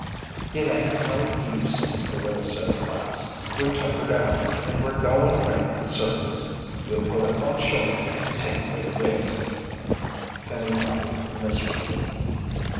"It hain't no use," the widow said at last. "We're tuckered out, and we're goin' around in circles. We'll pull up on shore and take a little rest." Penny nodded miserably.